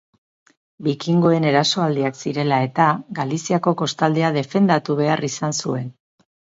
Bikingoen erasoaldiak zirela eta, Galiziako kostaldea defendatu behar izan zuen.